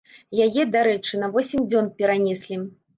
Яе, дарэчы, на восем дзён перанеслі.